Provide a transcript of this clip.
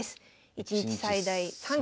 １日最大３局。